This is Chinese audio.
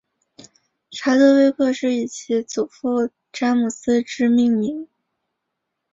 查德威克是以其祖父詹姆斯之名命名。